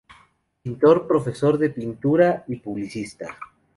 Pintor, profesor de pintura y publicista.